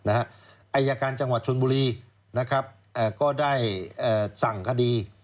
อายการจังหวัดชนบุรีก็ได้สั่งคดี